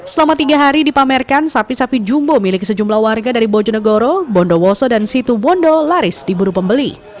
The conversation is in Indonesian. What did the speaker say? selama tiga hari dipamerkan sapi sapi jumbo milik sejumlah warga dari bojonegoro bondowoso dan situbondo laris diburu pembeli